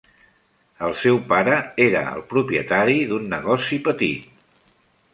El seu pare era el propietari d'un negoci petit.